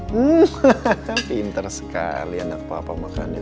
hmm kan pinter sekali anak papa makannya